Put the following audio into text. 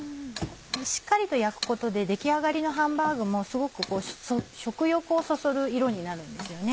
しっかりと焼くことで出来上がりのハンバーグもすごく食欲をそそる色になるんですよね。